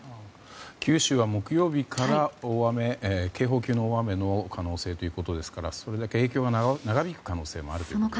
九州は木曜日から警報級の大雨の可能性ということですからそれだけ影響が長引く可能性もあるということですね。